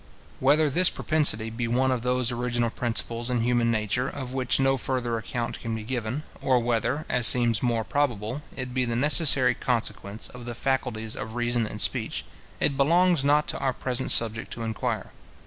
Whether this propensity be one of those original principles in human nature, of which no further account can be given, or whether, as seems more probable, it be the necessary consequence of the faculties of reason and speech, it belongs not to our present subject to inquire.